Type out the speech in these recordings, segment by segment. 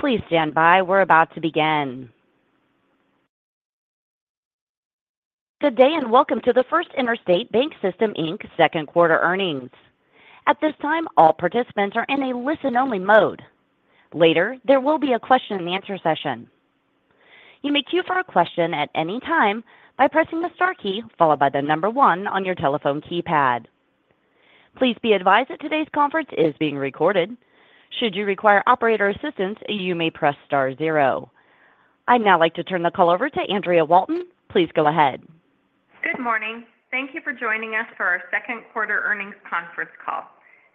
Please stand by. We're about to begin. Good day, and welcome to the First Interstate BancSystem Inc. second quarter earnings. At this time, all participants are in a listen-only mode. Later, there will be a question and answer session. You may queue for a question at any time by pressing the star key followed by the number one on your telephone keypad. Please be advised that today's conference is being recorded. Should you require operator assistance, you may press star zero. I'd now like to turn the call over to Andrea Walton. Please go ahead. Good morning. Thank you for joining us for our second quarter earnings conference call.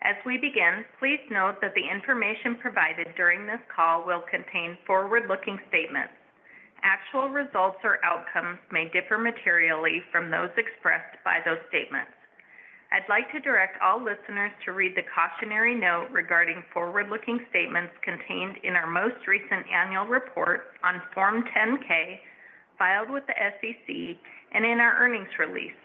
As we begin, please note that the information provided during this call will contain forward-looking statements. Actual results or outcomes may differ materially from those expressed by those statements. I'd like to direct all listeners to read the cautionary note regarding forward-looking statements contained in our most recent annual report on Form 10-K, filed with the SEC and in our earnings release,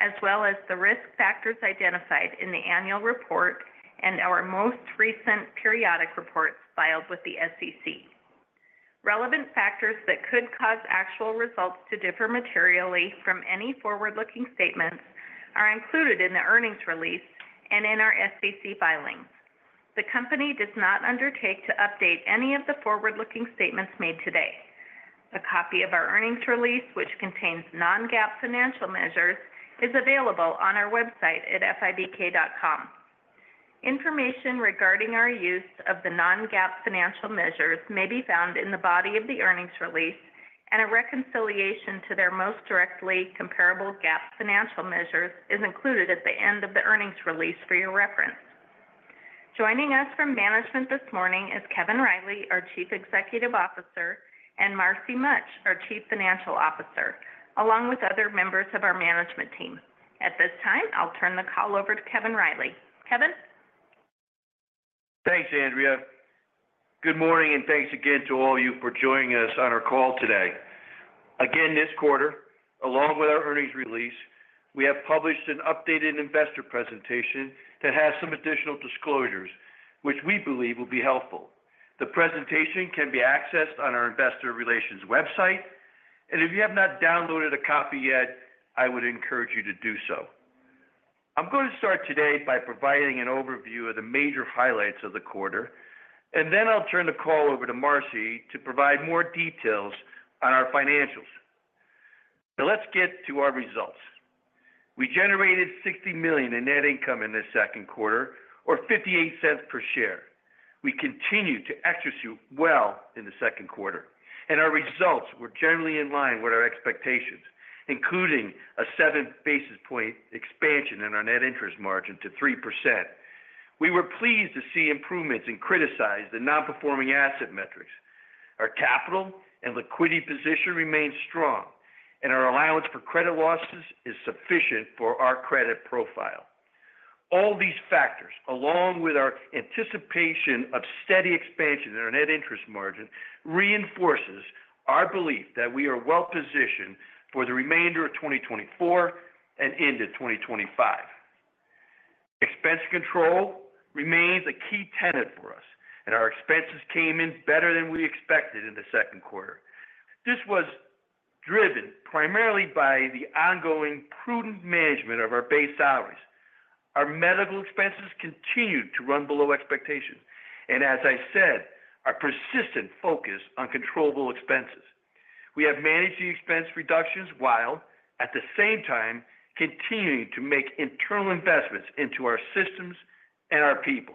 as well as the risk factors identified in the annual report and our most recent periodic reports filed with the SEC. Relevant factors that could cause actual results to differ materially from any forward-looking statements are included in the earnings release and in our SEC filings. The company does not undertake to update any of the forward-looking statements made today. A copy of our earnings release, which contains non-GAAP financial measures, is available on our website at fibk.com. Information regarding our use of the non-GAAP financial measures may be found in the body of the earnings release, and a reconciliation to their most directly comparable GAAP financial measures is included at the end of the earnings release for your reference. Joining us from management this morning is Kevin Riley, our Chief Executive Officer, and Marcy Mutch, our Chief Financial Officer, along with other members of our management team. At this time, I'll turn the call over to Kevin Riley. Kevin? Thanks, Andrea. Good morning, and thanks again to all of you for joining us on our call today. Again, this quarter, along with our earnings release, we have published an updated investor presentation that has some additional disclosures which we believe will be helpful. The presentation can be accessed on our investor relations website, and if you have not downloaded a copy yet, I would encourage you to do so. I'm going to start today by providing an overview of the major highlights of the quarter, and then I'll turn the call over to Marcy to provide more details on our financials. Now, let's get to our results. We generated $60 million in net income in the second quarter, or $0.58 per share. We continued to execute well in the second quarter, and our results were generally in line with our expectations, including a 7 basis points expansion in our net interest margin to 3%. We were pleased to see improvements in criticized and non-performing asset metrics. Our capital and liquidity position remains strong, and our allowance for credit losses is sufficient for our credit profile. All these factors, along with our anticipation of steady expansion in our net interest margin, reinforces our belief that we are well positioned for the remainder of 2024 and into 2025. Expense control remains a key tenet for us, and our expenses came in better than we expected in the second quarter. This was driven primarily by the ongoing prudent management of our base salaries. Our medical expenses continued to run below expectations, and as I said, our persistent focus on controllable expenses. We have managed the expense reductions while at the same time continuing to make internal investments into our systems and our people.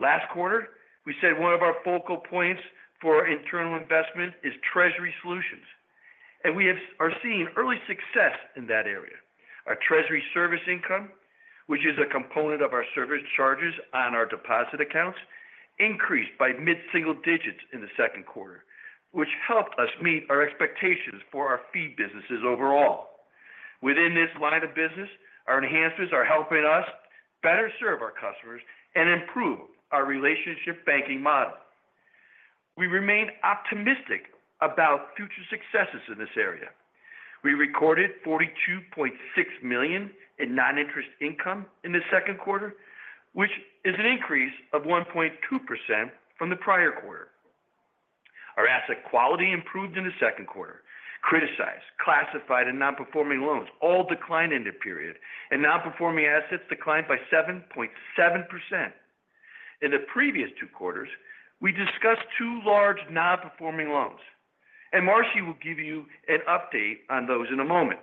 Last quarter, we said one of our focal points for internal investment is treasury solutions, and we are seeing early success in that area. Our treasury service income, which is a component of our service charges on our deposit accounts, increased by mid-single digits in the second quarter, which helped us meet our expectations for our fee businesses overall. Within this line of business, our enhancements are helping us better serve our customers and improve our relationship banking model. We remain optimistic about future successes in this area. We recorded $42.6 million in non-interest income in the second quarter, which is an increase of 1.2% from the prior quarter. Our asset quality improved in the second quarter. Criticized, classified, and non-performing loans all declined in the period, and non-performing assets declined by 7.7%. In the previous two quarters, we discussed two large non-performing loans, and Marcy will give you an update on those in a moment.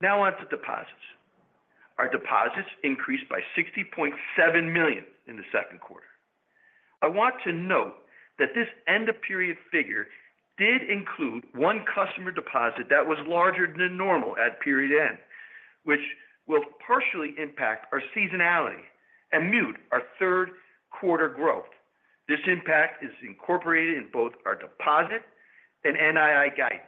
Now, on to deposits. Our deposits increased by $60.7 million in the second quarter. I want to note that this end-of-period figure did include one customer deposit that was larger than normal at period end, which will partially impact our seasonality and mute our third quarter growth. This impact is incorporated in both our deposit and NII guidance.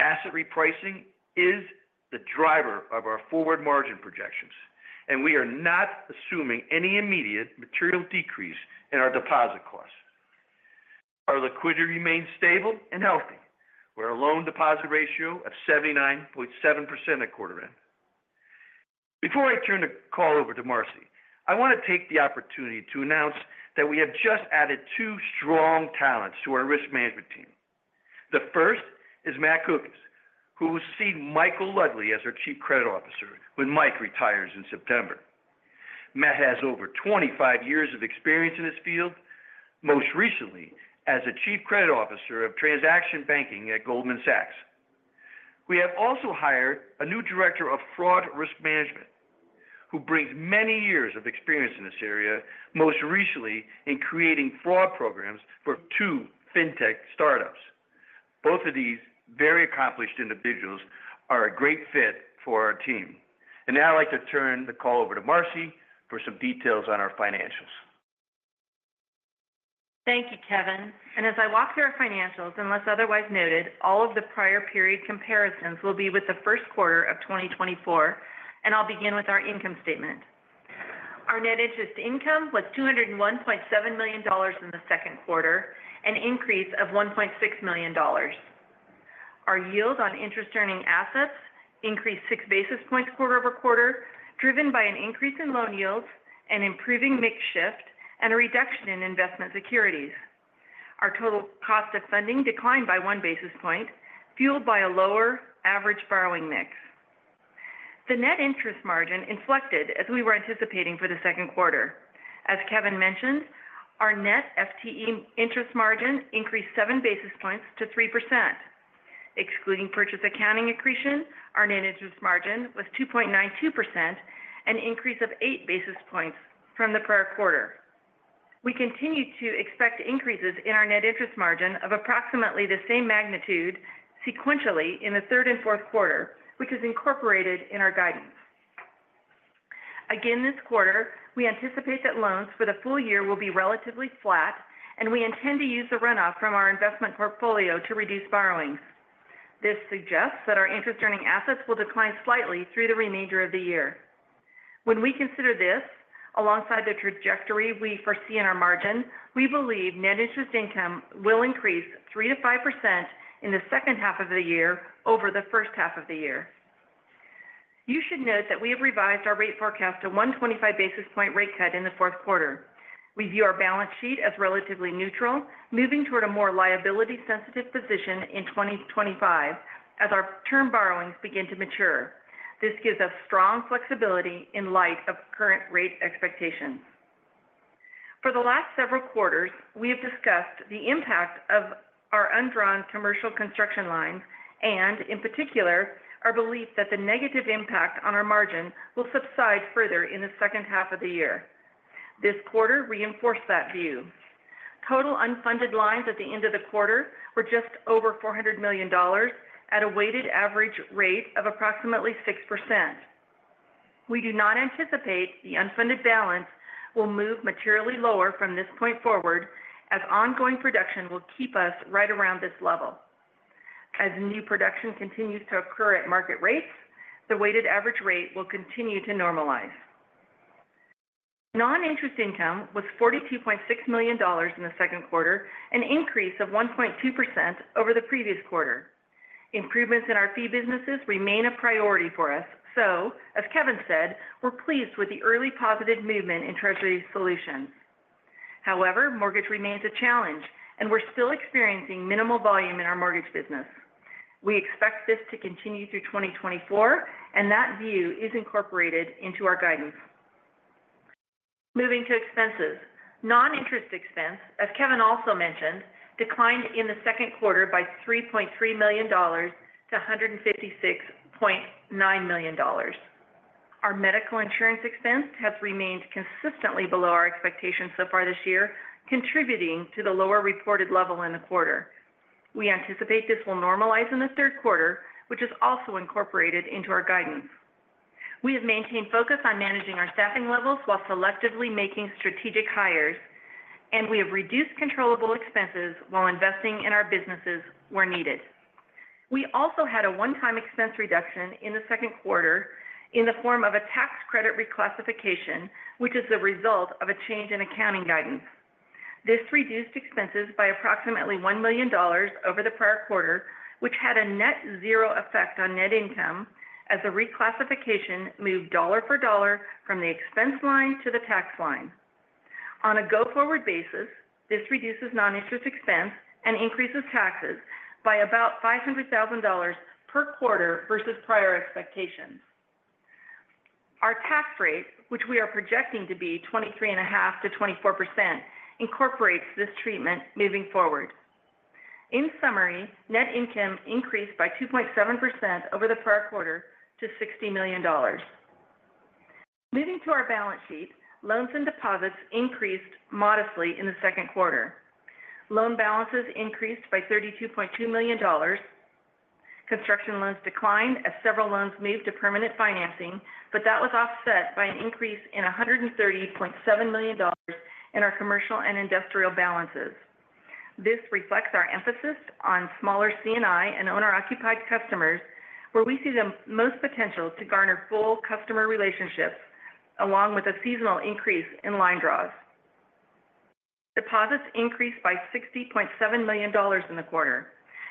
Asset repricing is the driver of our forward margin projections, and we are not assuming any immediate material decrease in our deposit costs. Our liquidity remains stable and healthy, with a loan deposit ratio of 79.7% at quarter end. Before I turn the call over to Marcy, I want to take the opportunity to announce that we have just added two strong talents to our risk management team. The first is Matt Kukes, who will succeed Michael Ludwig as our Chief Credit Officer when Mike retires in September. Matt has over 25 years of experience in this field, most recently as a Chief Credit Officer of Transaction Banking at Goldman Sachs. We have also hired a new Director of Fraud Risk Management, who brings many years of experience in this area, most recently in creating fraud programs for two fintech startups. Both of these very accomplished individuals are a great fit for our team. Now I'd like to turn the call over to Marcy for some details on our financials. Thank you, Kevin. As I walk through our financials, unless otherwise noted, all of the prior period comparisons will be with the first quarter of 2024, and I'll begin with our income statement. Our net interest income was $201.7 million in the second quarter, an increase of $1.6 million. Our yield on interest earning assets increased 6 basis points quarter-over-quarter, driven by an increase in loan yields and improving mix shift and a reduction in investment securities. Our total cost of funding declined by 1 basis point, fueled by a lower average borrowing mix. The net interest margin inflected as we were anticipating for the second quarter. As Kevin mentioned, our net FTE interest margin increased 7 basis points to 3%. Excluding purchase accounting accretion, our net interest margin was 2.92%, an increase of 8 basis points from the prior quarter. We continue to expect increases in our net interest margin of approximately the same magnitude sequentially in the third and fourth quarter, which is incorporated in our guidance. Again, this quarter, we anticipate that loans for the full year will be relatively flat, and we intend to use the runoff from our investment portfolio to reduce borrowings. This suggests that our interest earning assets will decline slightly through the remainder of the year. When we consider this, alongside the trajectory we foresee in our margin, we believe net interest income will increase 3%-5% in the second half of the year over the first half of the year. You should note that we have revised our rate forecast to 125 basis point rate cut in the fourth quarter. We view our balance sheet as relatively neutral, moving toward a more liability-sensitive position in 2025 as our term borrowings begin to mature. This gives us strong flexibility in light of current rate expectations. For the last several quarters, we have discussed the impact of our undrawn commercial construction lines, and in particular, our belief that the negative impact on our margin will subside further in the second half of the year. This quarter reinforced that view. Total unfunded lines at the end of the quarter were just over $400 million at a weighted average rate of approximately 6%. We do not anticipate the unfunded balance will move materially lower from this point forward, as ongoing production will keep us right around this level. As new production continues to occur at market rates, the weighted average rate will continue to normalize. Non-interest income was $42.6 million in the second quarter, an increase of 1.2% over the previous quarter. Improvements in our fee businesses remain a priority for us, so as Kevin said, we're pleased with the early positive movement in Treasury Solutions. However, mortgage remains a challenge, and we're still experiencing minimal volume in our mortgage business. We expect this to continue through 2024, and that view is incorporated into our guidance. Moving to expenses. Non-interest expense, as Kevin also mentioned, declined in the second quarter by $3.3 million to $156.9 million. Our medical insurance expense has remained consistently below our expectations so far this year, contributing to the lower reported level in the quarter. We anticipate this will normalize in the third quarter, which is also incorporated into our guidance. We have maintained focus on managing our staffing levels while selectively making strategic hires, and we have reduced controllable expenses while investing in our businesses where needed. We also had a one-time expense reduction in the second quarter in the form of a tax credit reclassification, which is the result of a change in accounting guidance. This reduced expenses by approximately $1 million over the prior quarter, which had a net zero effect on net income as the reclassification moved dollar for dollar from the expense line to the tax line. On a go-forward basis, this reduces non-interest expense and increases taxes by about $500,000 per quarter versus prior expectations. Our tax rate, which we are projecting to be 23.5%-24%, incorporates this treatment moving forward. In summary, net income increased by 2.7% over the prior quarter to $60 million. Moving to our balance sheet, loans and deposits increased modestly in the second quarter. Loan balances increased by $32.2 million. Construction loans declined as several loans moved to permanent financing, but that was offset by an increase in $130.7 million in our commercial and industrial balances. This reflects our emphasis on smaller C&I and owner-occupied customers, where we see the most potential to garner full customer relationships along with a seasonal increase in line draws. Deposits increased by $60.7 million in the quarter.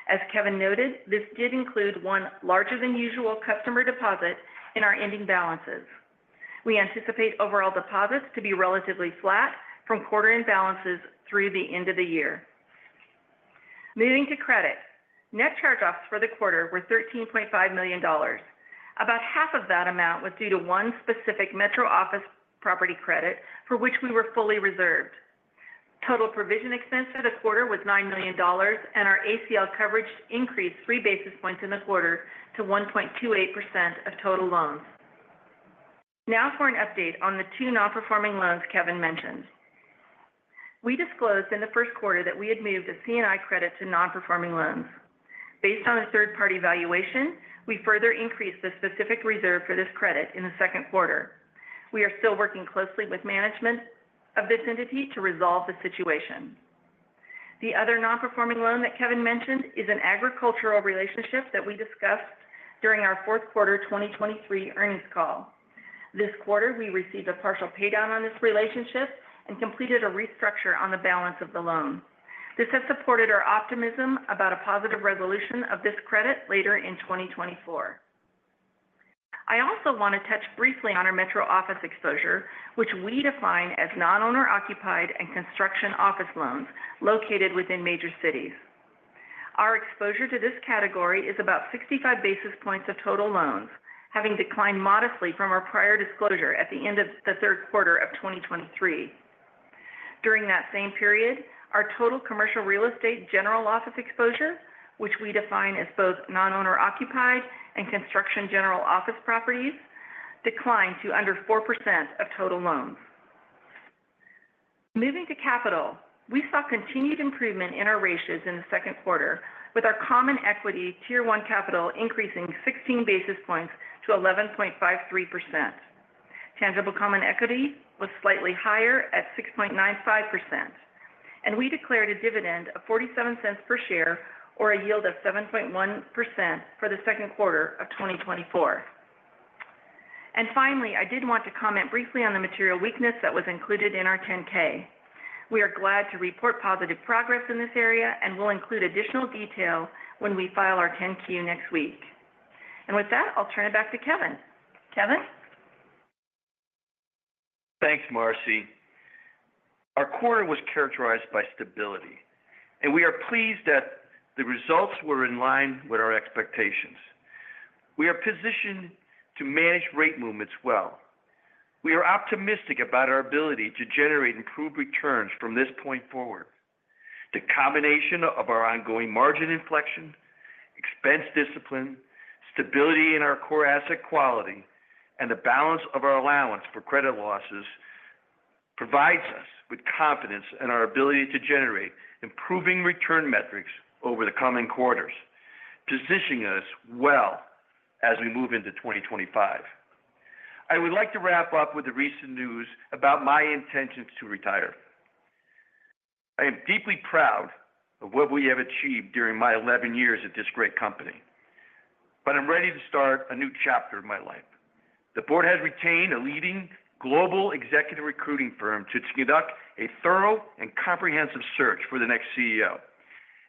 As Kevin noted, this did include one larger than usual customer deposit in our ending balances. We anticipate overall deposits to be relatively flat from quarter end balances through the end of the year. Moving to credit. Net charge-offs for the quarter were $13.5 million. About half of that amount was due to one specific metro office property credit, for which we were fully reserved. Total provision expense for the quarter was $9 million, and our ACL coverage increased 3 basis points in the quarter to 1.28% of total loans. Now for an update on the two non-performing loans Kevin mentioned. We disclosed in the first quarter that we had moved a C&I credit to non-performing loans. Based on a third-party valuation, we further increased the specific reserve for this credit in the second quarter. We are still working closely with management of this entity to resolve the situation. The other non-performing loan that Kevin mentioned is an agricultural relationship that we discussed during our fourth quarter 2023 earnings call. This quarter, we received a partial paydown on this relationship and completed a restructure on the balance of the loan. This has supported our optimism about a positive resolution of this credit later in 2024. I also want to touch briefly on our metro office exposure, which we define as non-owner occupied and construction office loans located within major cities. Our exposure to this category is about 65 basis points of total loans, having declined modestly from our prior disclosure at the end of the third quarter of 2023. During that same period, our total commercial real estate general office exposure, which we define as both non-owner occupied and construction general office properties, declined to under 4% of total loans. Moving to capital, we saw continued improvement in our ratios in the second quarter, with our Common Equity Tier 1 capital increasing 16 basis points to 11.53%. Tangible Common Equity was slightly higher at 6.95%, and we declared a dividend of $0.47 per share or a yield of 7.1% for the second quarter of 2024. And finally, I did want to comment briefly on the material weakness that was included in our 10-K. We are glad to report positive progress in this area, and we'll include additional detail when we file our 10-Q next week. And with that, I'll turn it back to Kevin. Kevin? Thanks, Marcy. Our quarter was characterized by stability, and we are pleased that the results were in line with our expectations. We are positioned to manage rate movements well. We are optimistic about our ability to generate improved returns from this point forward. The combination of our ongoing margin inflection, expense discipline, stability in our core asset quality, and the balance of our allowance for credit losses provides us with confidence in our ability to generate improving return metrics over the coming quarters, positioning us well as we move into 2025. I would like to wrap up with the recent news about my intentions to retire. I am deeply proud of what we have achieved during my eleven years at this great company, but I'm ready to start a new chapter of my life. The board has retained a leading global executive recruiting firm to conduct a thorough and comprehensive search for the next CEO,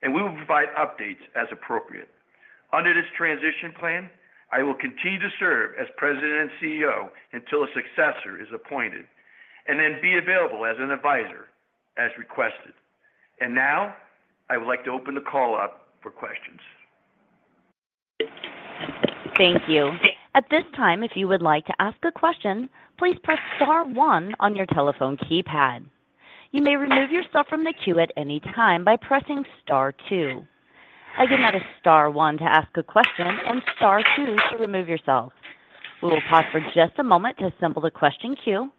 and we will provide updates as appropriate. Under this transition plan, I will continue to serve as President and CEO until a successor is appointed, and then be available as an advisor as requested. Now I would like to open the call up for questions. Thank you. At this time, if you would like to ask a question, please press star one on your telephone keypad. You may remove yourself from the queue at any time by pressing star two. Again, that is star one to ask a question and star two to remove yourself. We will pause for just a moment to assemble the question queue.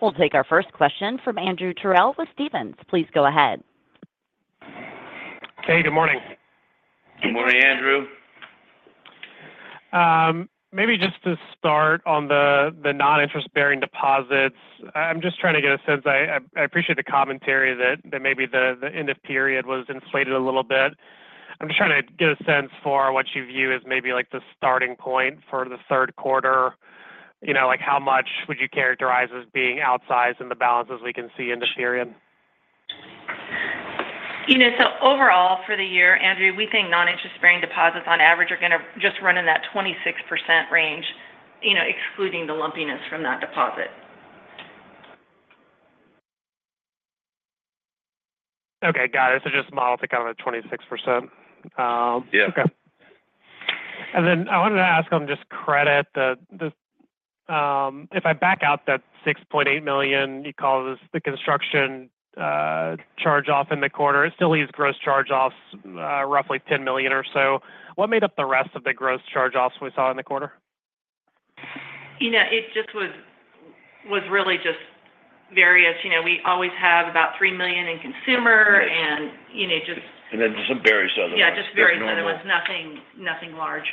We'll take our first question from Andrew Terrell with Stephens. Please go ahead. Hey, good morning. Good morning, Andrew. Maybe just to start on the non-interest-bearing deposits. I'm just trying to get a sense. I appreciate the commentary that maybe the end of period was inflated a little bit. I'm just trying to get a sense for what you view as maybe like the starting point for the third quarter. You know, like how much would you characterize as being outsized in the balances we can see in this period? You know, so overall for the year, Andrew, we think non-interest-bearing deposits on average are going to just run in that 26% range, you know, excluding the lumpiness from that deposit. Okay, got it. So just model to kind of a 26%. Um, yeah. Okay. And then I wanted to ask on just credit. If I back out that $6.8 million you call this the construction charge-off in the quarter, it still leaves gross charge-offs roughly $10 million or so. What made up the rest of the gross charge-offs we saw in the quarter? You know, it just was really just various. You know, we always have about $3 million in consumer and, you know, just- And then some various other ones. Yeah, just various other ones. That's normal. Nothing, nothing large.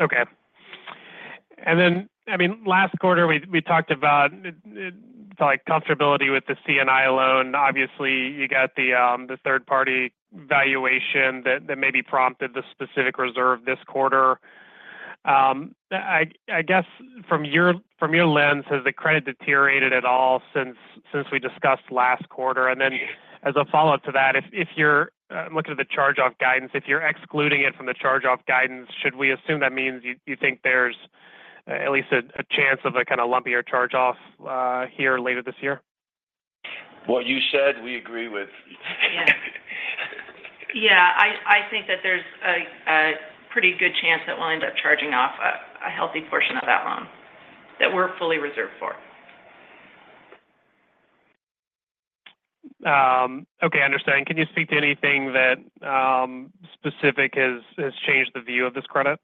Okay. And then, I mean, last quarter, we talked about it like comfortability with the C&I loan. Obviously, you got the third-party valuation that maybe prompted the specific reserve this quarter. I guess from your lens, has the credit deteriorated at all since we discussed last quarter? And then as a follow-up to that, if you're looking at the charge-off guidance, if you're excluding it from the charge-off guidance, should we assume that means you think there's at least a chance of a kind of lumpier charge-off here later this year? What you said, we agree with. Yeah. Yeah, I think that there's a pretty good chance that we'll end up charging off a healthy portion of that loan that we're fully reserved for. Okay, I understand. Can you speak to anything that specific has changed the view of this credit?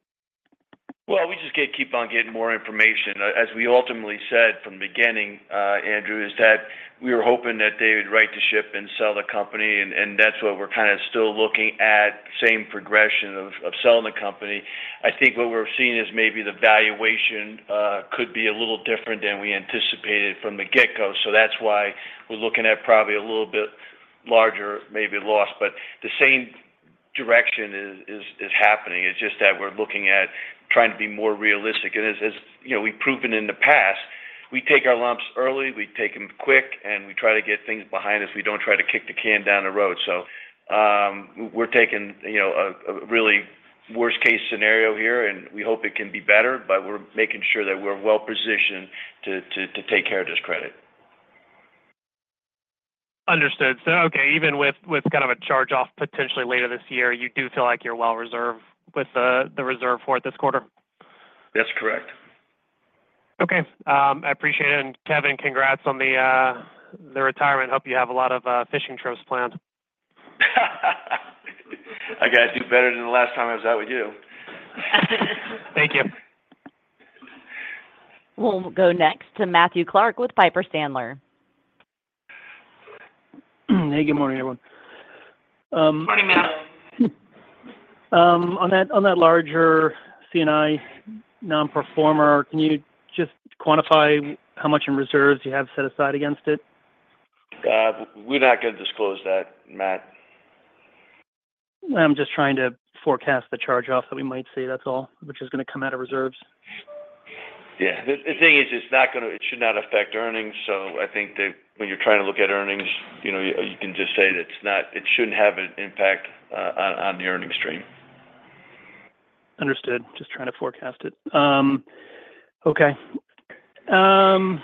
Well, we just keep on getting more information. As we ultimately said from the beginning, Andrew, is that we were hoping that they would right the ship and sell the company, and that's what we're kind of still looking at, same progression of selling the company. I think what we're seeing is maybe the valuation could be a little different than we anticipated from the get-go. So that's why we're looking at probably a little bit larger, maybe loss. But the same direction is happening. It's just that we're looking at trying to be more realistic. And as you know, we've proven in the past, we take our lumps early, we take them quick, and we try to get things behind us. We don't try to kick the can down the road. So, we're taking, you know, a really worst-case scenario here, and we hope it can be better, but we're making sure that we're well-positioned to take care of this credit. Understood. So, okay, even with, with kind of a charge-off potentially later this year, you do feel like you're well-reserved with the, the reserve for it this quarter? That's correct. Okay, I appreciate it. And Kevin, congrats on the retirement. Hope you have a lot of fishing trips planned. I gotta do better than the last time I was out with you. Thank you. We'll go next to Matthew Clark with Piper Sandler. Hey, good morning, everyone. Morning, Matt. On that larger C&I nonperformer, can you just quantify how much in reserves you have set aside against it? We're not gonna disclose that, Matt. I'm just trying to forecast the charge-off that we might see, that's all, which is gonna come out of reserves. Yeah. The thing is, it should not affect earnings, so I think that when you're trying to look at earnings, you know, you can just say that it shouldn't have an impact on the earnings stream. Understood. Just trying to forecast it. Okay. And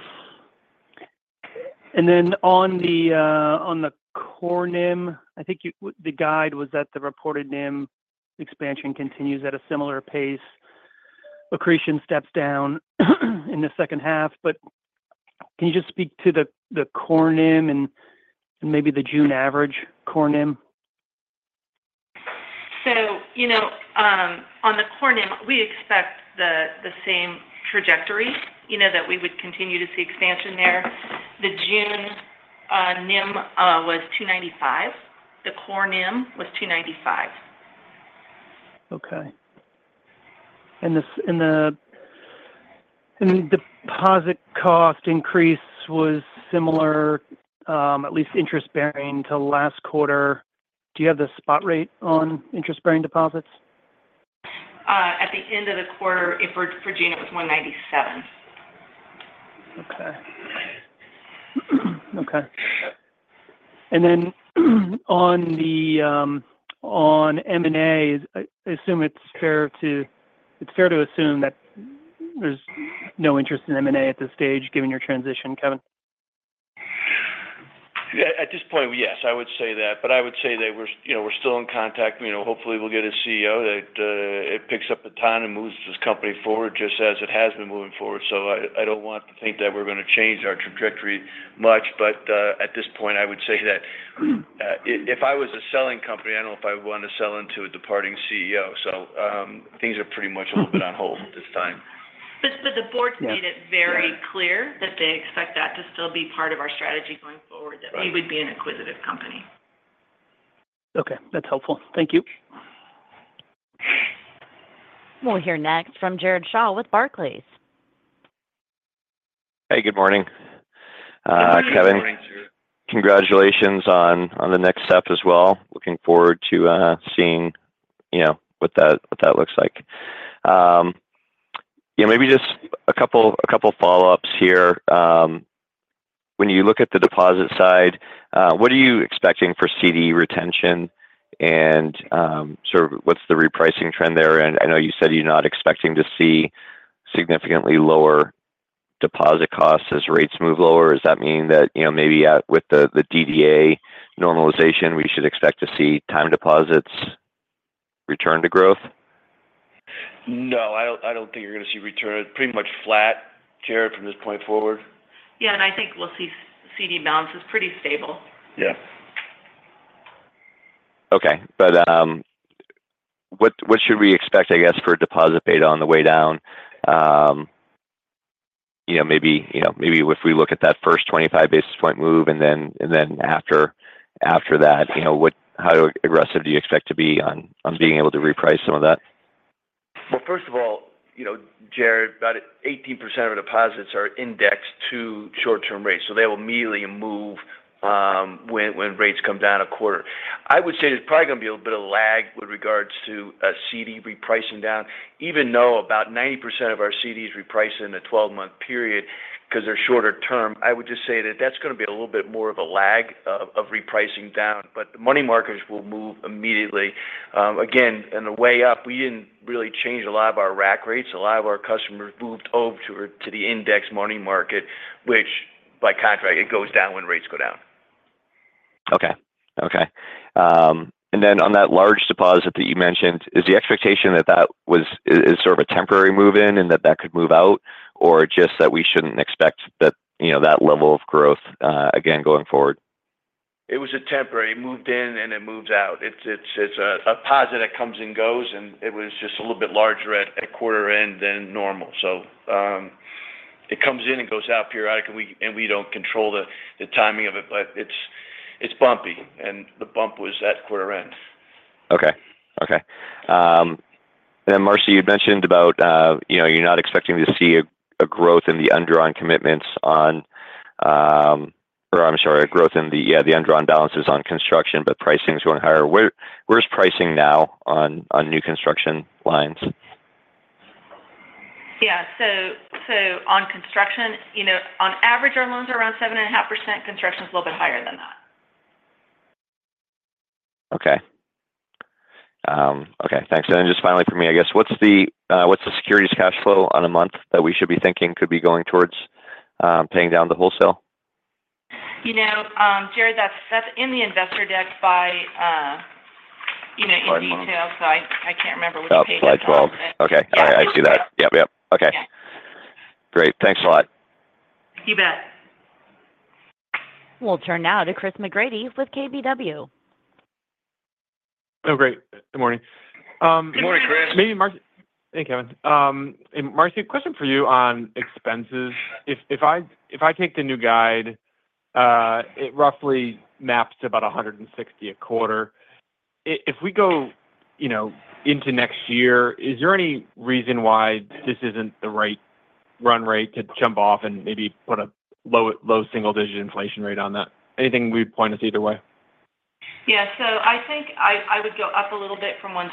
then on the core NIM, I think you - the guide was that the reported NIM expansion continues at a similar pace. Accretion steps down in the second half, but can you just speak to the core NIM and maybe the June average core NIM? So, you know, on the core NIM, we expect the same trajectory, you know, that we would continue to see expansion there. The June NIM was 2.95%. The core NIM was 2.95%. Okay. And the deposit cost increase was similar, at least interest-bearing to last quarter. Do you have the spot rate on interest-bearing deposits? At the end of the quarter for June, it was 197. Okay. Okay. And then, on the M&A, I assume it's fair to assume that there's no interest in M&A at this stage, given your transition, Kevin? Yeah. At this point, yes, I would say that, but I would say that we're, you know, we're still in contact. You know, hopefully, we'll get a CEO that picks up the baton and moves this company forward, just as it has been moving forward. So I, I don't want to think that we're gonna change our trajectory much. But at this point, I would say that if, if I was a selling company, I don't know if I'd want to sell into a departing CEO. So things are pretty much a little bit on hold at this time. But the boards- Yeah... made it very clear that they expect that to still be part of our strategy going forward- Right that we would be an acquisitive company. Okay, that's helpful. Thank you. We'll hear next from Jared Shaw with Barclays. Hey, good morning. Good morning, Jared. Kevin, congratulations on the next step as well. Looking forward to seeing, you know, what that looks like. Yeah, maybe just a couple follow-ups here. When you look at the deposit side, what are you expecting for CD retention? And, so what's the repricing trend there? And I know you said you're not expecting to see significantly lower deposit costs as rates move lower. Does that mean that, you know, maybe with the DDA normalization, we should expect to see time deposits return to growth? No, I don't, I don't think you're going to see return. Pretty much flat, Jared, from this point forward. Yeah, and I think we'll see CD balances pretty stable. Yeah. Okay. But what should we expect, I guess, for deposit beta on the way down? You know, maybe if we look at that first 25 basis point move, and then after that, you know, what—how aggressive do you expect to be on being able to reprice some of that? Well, first of all, you know, Jared, about 18% of deposits are indexed to short-term rates, so they will immediately move when rates come down a quarter. I would say there's probably going to be a bit of lag with regards to a CD repricing down, even though about 90% of our CDs reprice in a twelve-month period because they're shorter term. I would just say that that's going to be a little bit more of a lag of repricing down, but the money markets will move immediately. Again, in the way up, we didn't really change a lot of our rack rates. A lot of our customers moved over to the index money market, which by contract, it goes down when rates go down. Okay. Okay. And then on that large deposit that you mentioned, is the expectation that that was, is sort of a temporary move in, and that that could move out, or just that we shouldn't expect that, you know, that level of growth, again, going forward? It was temporary. It moved in, and it moves out. It's a deposit that comes and goes, and it was just a little bit larger at quarter end than normal. So, it comes in and goes out periodically, and we don't control the timing of it, but it's bumpy, and the bump was at quarter end. Okay. Okay. And then, Marcy, you'd mentioned about, you know, you're not expecting to see a growth in the undrawn commitments on, or I'm sorry, a growth in the undrawn balances on construction, but pricing is going higher. Where's pricing now on new construction lines? Yeah. So on construction, you know, on average, our loans are around 7.5%. Construction is a little bit higher than that. Okay. Okay. Thanks. And then just finally for me, I guess, what's the, what's the securities cash flow on a month that we should be thinking could be going towards paying down the wholesale? You know, Jared, that's, that's in the investor deck by, you know, in detail. Slide 12. I can't remember which page. Oh, Slide 12. Yeah. Okay. All right, I see that. Yep, yep. Okay. Okay. Great. Thanks a lot. You bet. We'll turn now to Chris McGratty with KBW. Oh, great. Good morning. Good morning, Chris. Maybe Marcy. Hey, Kevin. Marcy, a question for you on expenses. If I take the new guide, it roughly maps to about $160 a quarter. If we go, you know, into next year, is there any reason why this isn't the right run rate to jump off and maybe put a low single digit inflation rate on that? Anything would point us either way. Yeah. So I think I would go up a little bit from $160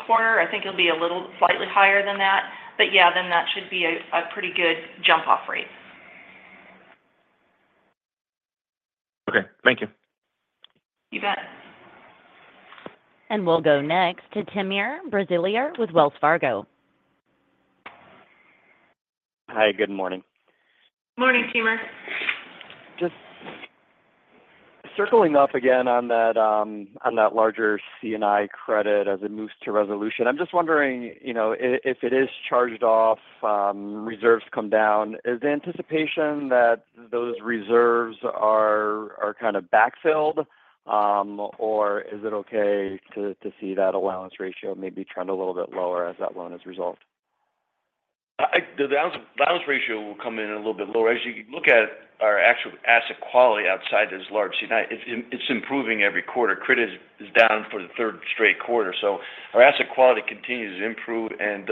a quarter. I think it'll be a little slightly higher than that, but, yeah, then that should be a pretty good jump-off rate. Okay. Thank you. You bet. We'll go next to Timur Braziler with Wells Fargo. Hi, good morning. Morning, Timur. Just circling up again on that, on that larger C&I credit as it moves to resolution. I'm just wondering, you know, if it is charged off, reserves come down, is the anticipation that those reserves are kind of backfilled, or is it okay to see that allowance ratio maybe trend a little bit lower as that loan is resolved? The balance ratio will come in a little bit lower. As you look at our actual asset quality outside this large C&I, it's improving every quarter. Credit is down for the third straight quarter, so our asset quality continues to improve, and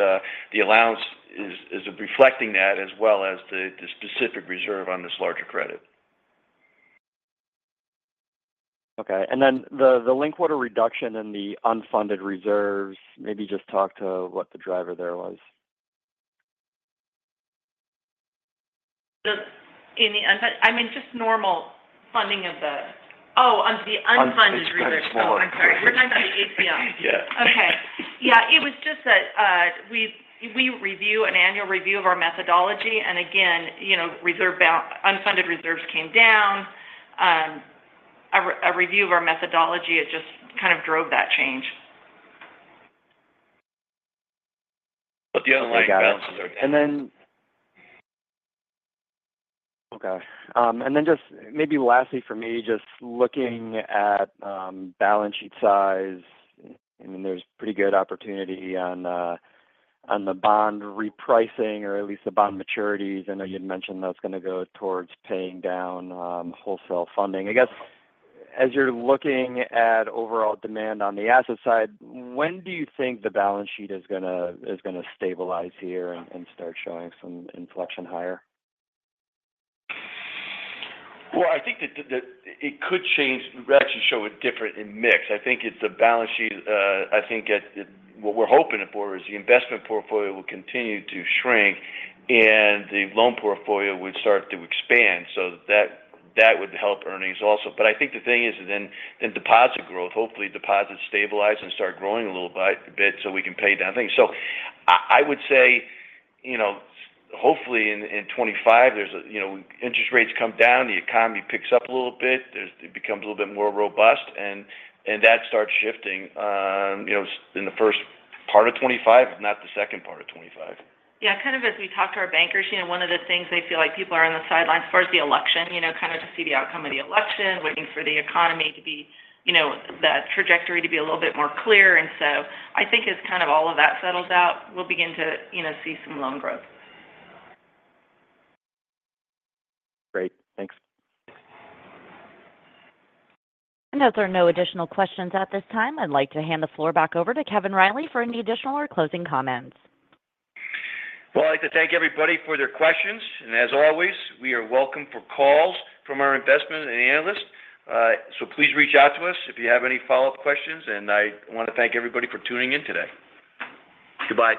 the allowance is reflecting that, as well as the specific reserve on this larger credit. Okay. And then the lower reduction in the unfunded reserves, maybe just talk to what the driver there was. In the unfunded, I mean, just normal funding of the... Oh, on the unfunded reserves. Unfunded reserves. Oh, I'm sorry. We're talking about the ACL. Yeah. Okay. Yeah, it was just that, we review an annual review of our methodology, and again, you know, unfunded reserves came down. A review of our methodology, it just kind of drove that change. But the underlying balances are down. Okay. And then just maybe lastly for me, just looking at balance sheet size, I mean, there's pretty good opportunity on the bond repricing or at least the bond maturities. I know you'd mentioned that's going to go towards paying down wholesale funding. I guess, as you're looking at overall demand on the asset side, when do you think the balance sheet is gonna stabilize here and start showing some inflection higher? Well, I think that the, that it could change, we actually show a different in mix. I think it's a balance sheet. I think what we're hoping for is the investment portfolio will continue to shrink, and the loan portfolio would start to expand. So that, that would help earnings also. But I think the thing is then deposit growth. Hopefully, deposits stabilize and start growing a little bit, so we can pay down things. So I would say, you know, hopefully in 2025, you know, interest rates come down, the economy picks up a little bit, it becomes a little bit more robust and that starts shifting, you know, in the first part of 2025, if not the second part of 2025. Yeah, kind of as we talk to our bankers, you know, one of the things they feel like people are on the sidelines as far as the election, you know, kind of to see the outcome of the election, waiting for the economy to be, you know, that trajectory to be a little bit more clear. And so I think as kind of all of that settles out, we'll begin to, you know, see some loan growth. Great. Thanks. As there are no additional questions at this time, I'd like to hand the floor back over to Kevin Riley for any additional or closing comments. Well, I'd like to thank everybody for their questions. And as always, we welcome calls from our investors and analysts. So please reach out to us if you have any follow-up questions, and I want to thank everybody for tuning in today. Goodbye.